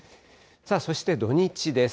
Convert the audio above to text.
そして土日です。